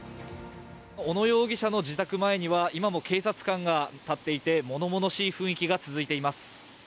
小野容疑者の自宅前には今も警察官が立っていて物々しい雰囲気が続いています。